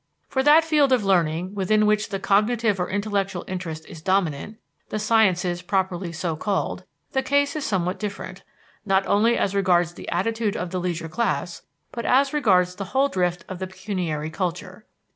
For that field of learning within which the cognitive or intellectual interest is dominant the sciences properly so called the case is somewhat different, not only as regards the attitude of the leisure class, but as regards the whole drift of the pecuniary culture.